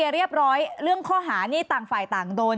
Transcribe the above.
เดี๋ยวผมจะคุยสักหน่อย